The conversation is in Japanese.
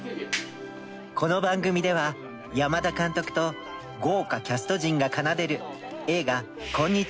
この番組では山田監督と豪華キャスト陣が奏でる。